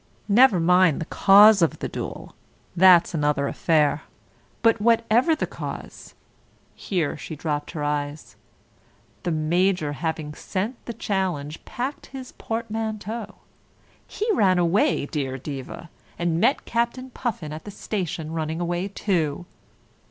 "Never mind the cause of the duel; that's another affair. But whatever the cause," here she dropped her eyes, "the Major having sent the challenge packed his portmanteau. He ran away, dear Diva, and met Captain Puffin at the station running away too."